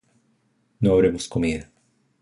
No habremos comido